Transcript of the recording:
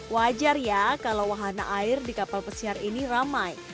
wajar ya kalau wahana air di kapal pesiar ini ramai